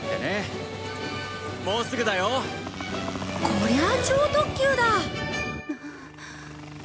こりゃあ超特急だ。